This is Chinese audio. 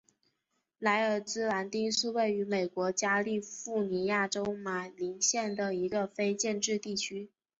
莱尔兹兰丁是位于美国加利福尼亚州马林县的一个非建制地区。